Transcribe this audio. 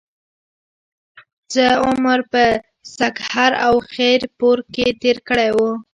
څۀ عمر پۀ سکهر او خېر پور کښې تير کړے وو